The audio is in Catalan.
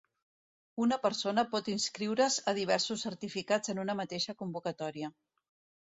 Una persona pot inscriure's a diversos certificats en una mateixa convocatòria.